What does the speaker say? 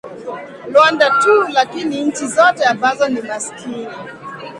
rwanda tu lakini nchi zote ambazo ni maskini